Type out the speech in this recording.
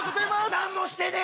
何もしてねえ！